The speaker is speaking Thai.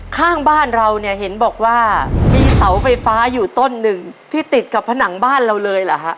ข้างบ้านเราเนี่ยเห็นบอกว่ามีเสาไฟฟ้าอยู่ต้นหนึ่งที่ติดกับผนังบ้านเราเลยเหรอฮะ